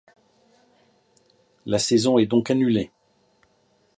La saison est donc annulée.